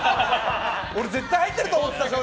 俺、絶対入ってると思ってた。